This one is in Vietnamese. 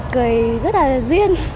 cười rất là duyên